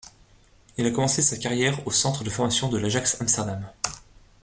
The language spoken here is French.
Il a commencé sa carrière au centre de formation de l'Ajax Amsterdam.